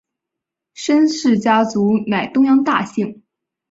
申氏家族乃东阳大姓。